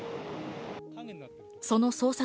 その捜索